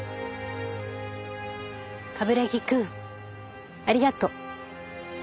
冠城くんありがとう。